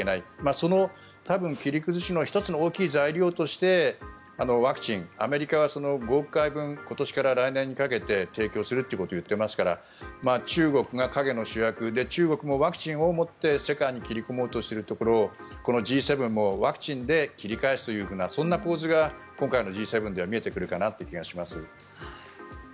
その切り崩しの１つの大きな材料としてワクチン、アメリカは５億回分今年から来年にかけて提供するということを言っていますから中国が陰の主役で中国もワクチンをもって世界に切り込もうとしているところをこのＧ７もワクチンで切り返すというそんな構図が今回のＧ７では見えてくるかなという気がします。